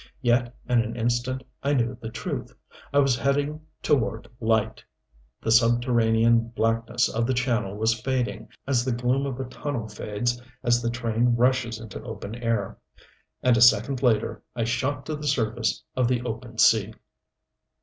Yet in an instant I knew the truth. I was heading toward light: the subterranean blackness of the channel was fading, as the gloom of a tunnel fades as the train rushes into open air. And a second later I shot to the surface of the open sea.